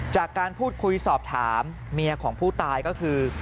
จากการพูดคุยสอบถามเมียของผู้ตายก็คือ